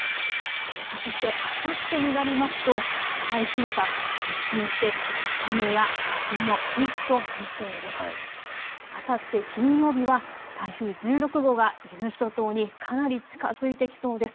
そして、あさってになりますと台風が接近して雨や風のピークとなりそうです。